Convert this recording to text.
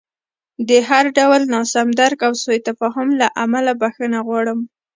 د هر ډول ناسم درک او سوء تفاهم له امله بښنه غواړم.